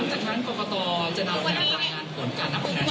อันนี้จะต้องจับเบอร์เพื่อที่จะแข่งกันแล้วคุณละครับ